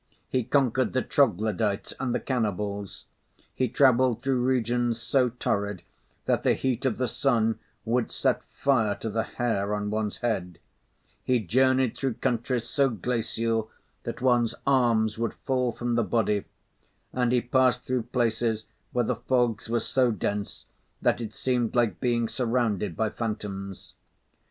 He conquered the Troglodytes and the cannibals. He travelled through regions so torrid that the heat of the sun would set fire to the hair on one's head; he journeyed through countries so glacial that one's arms would fall from the body; and he passed through places where the fogs were so dense that it seemed like being surrounded by phantoms.